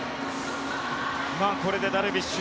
これでダルビッシュ